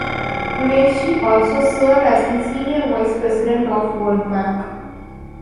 Qureshi also served as the senior vice president of World Bank.